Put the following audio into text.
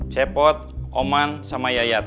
sepot oman sama yayat